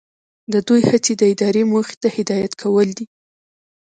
د دوی هڅې د ادارې موخې ته هدایت کول دي.